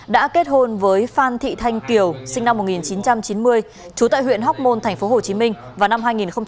đã kết hôn với phan thị thanh kiều sinh năm một nghìn chín trăm chín mươi chú tại huyện hóc môn tp hcm vào năm hai nghìn tám